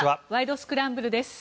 スクランブル」です。